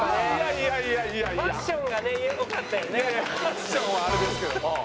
いやいやファッションはあれですけど。